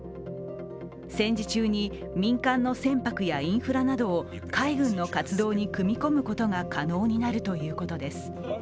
戦時中に民間の船舶やインフラなどを海軍の活動に組み込むことが可能になるということです。